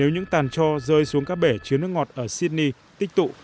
các tàn trò rơi xuống các bể chứa nước ngọt ở sydney tích tụ